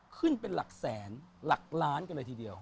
ขึ้นเป็นหลักแสนหลักล้านกันเลยทีเดียว